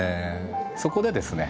そこでですね